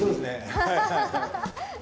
アハハハ。